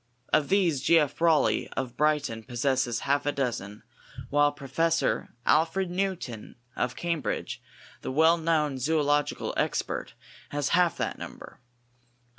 Of these G. F. Rowley of Brighton possesses half a dozen, while Prof. Alfred Newton of Cambridge, the well known zoölogical expert, has half that number.